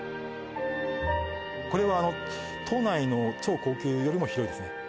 これはあの都内の超高級よりも広いですね